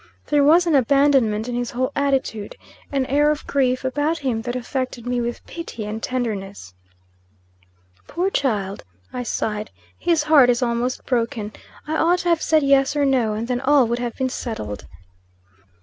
There was an abandonment in his whole attitude; an air of grief about him that affected me with pity and tenderness. "Poor child!" I sighed. "His heart is almost broken. I ought to have said yes or no; and then all would have been settled."